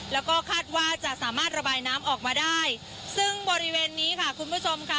แล้วก็คาดว่าจะสามารถระบายน้ำออกมาได้ซึ่งบริเวณนี้ค่ะคุณผู้ชมค่ะ